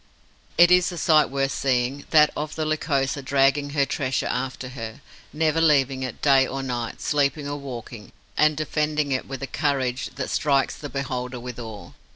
It is a sight worth seeing, that of the Lycosa dragging her treasure after her, never leaving it, day or night, sleeping or waking, and defending it with a courage that strikes the beholder with awe.